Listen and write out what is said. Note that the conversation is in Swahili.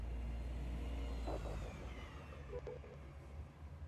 tuhuma za uongo tena ni kushughulika na kero za wasanii wanamichezo wanahabari na hata